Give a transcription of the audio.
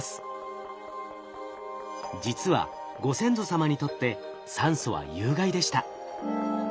実はご先祖様にとって酸素は有害でした。